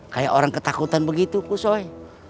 seperti orang ketakutan begitu bos roy